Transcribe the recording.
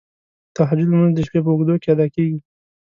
تهجد لمونځ د شپې په اوږدو کې ادا کیږی.